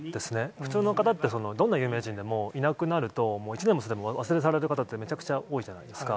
普通の方って、どんな有名人でも、いなくなると、１年もすると忘れ去られる方ってめちゃくちゃ多いじゃないですか。